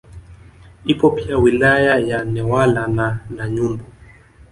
Ipo pia wilaya ya Newala na Nanyumbu